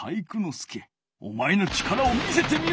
介おまえの力を見せてみよ！